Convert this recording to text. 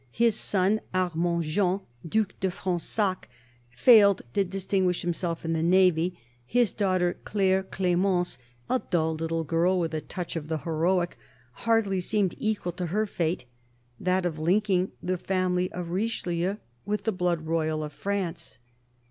His son, Armand Jean, Due de Fronsac, failed to distinguish himself in the navy; his daughter, Claire Cl6mence, a dull little girl with a touch' of the heroic, hardly seemed equaK to her fate— that of linking the family of Richelieu with the blood royal of France.